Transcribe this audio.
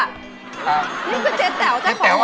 นี่คือเจ๊แต๋วจ้ะผมเจ๊แต๋วอะไร